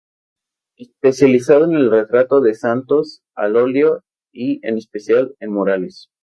Especializado en el retrato de santos al óleo y, en especial, en murales.